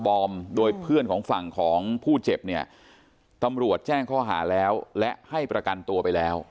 บอมโดยเพื่อนของฝั่งของผู้เจ็บเนี่ยตำรวจแจ้งข้อหาแล้วและให้ประกันตัวไปแล้ว